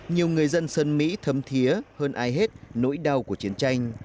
nhiều người dân sân mỹ thấm thiế hơn ai hết nỗi đau của chiến tranh